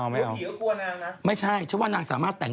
ลี๊น่าจังขึ้นว่าเรื่องมูนาย